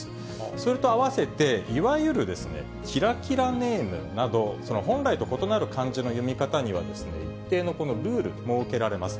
それと合わせて、いわゆるキラキラネームなど、本来と異なる漢字の読み方にはですね、一定のルール、設けられます。